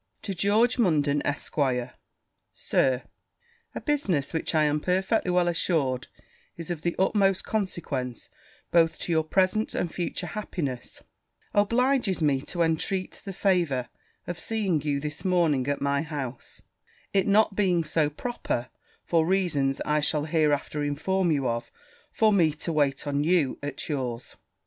'To George Munden, Esq. Sir, A business which, I am perfectly well assured, is of the utmost consequence both to your present and future happiness, obliges me to intreat the favour of seeing you this morning at my house; it not being so proper (for reasons I shall hereafter inform you of) for me to wait on you at yours.